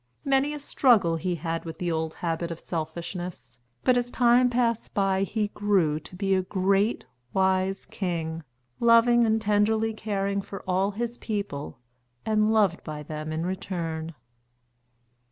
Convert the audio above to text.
Many a struggle he had with the old habit of selfishness, but as time passed by he grew to be a great, wise king, loving and tenderly caring for all his people and loved by them in return.